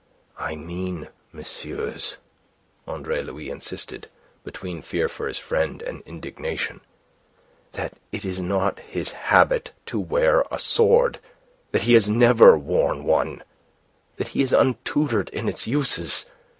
"I mean, messieurs," Andre Louis insisted, between fear for his friend and indignation, "that it is not his habit to wear a sword, that he has never worn one, that he is untutored in its uses.